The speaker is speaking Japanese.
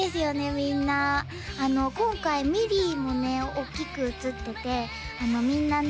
みんな今回ミディもねおっきくうつっててみんなね